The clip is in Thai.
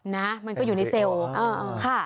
นะมันก็อยู่ในเซลล์ค่ะ